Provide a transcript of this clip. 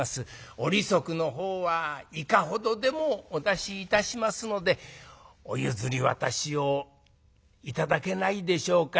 お利息の方はいかほどでもお出しいたしますのでお譲り渡しを頂けないでしょうか」。